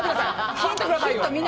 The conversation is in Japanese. ヒント下さいよ。